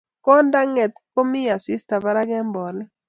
konda nget ko komi asista parak eng polik